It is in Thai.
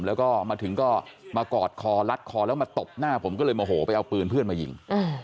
แล้วก็มาถึงก็มากอดคอลัดคอแล้วมาตบหน้าผมก็เลยโมโหไปเอาปืนเพื่อนมายิง